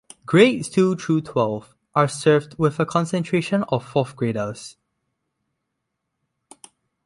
Grades two through twelve are served with a concentration of fourth graders.